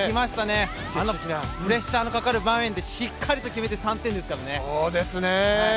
あのプレッシャーのかかる場面でしっかりと決めて３点ですからね。